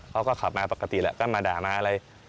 เขาก็ขับมาปกติแหละก็มาด่ามาอะไร